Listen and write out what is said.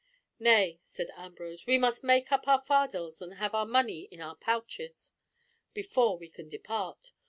"Nay," said Ambrose, "we must make up our fardels and have our money in our pouches before we can depart.